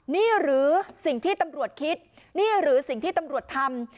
นี่หรือสิ่งที่ตำรวจคิดนี่หรือสิ่งที่ตำรวจทำ